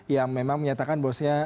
yang memang menyatakan bahwasanya